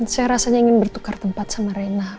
saya rasanya ingin bertukar tempat sama reina